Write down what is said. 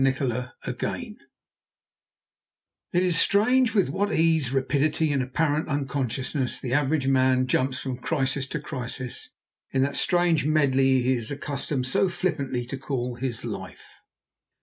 NIKOLA AGAIN It is strange with what ease, rapidity, and apparent unconsciousness the average man jumps from crisis to crisis in that strange medley he is accustomed so flippantly to call His Life.